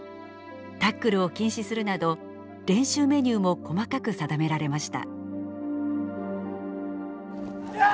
タックルを禁止するなど練習メニューも細かく定められました。